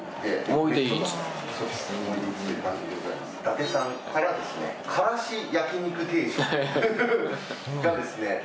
伊達さんからからし焼肉定食がですね